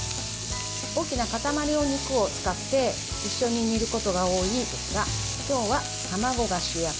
大きな塊のお肉を使って一緒に煮ることが多いんですが今日は卵が主役。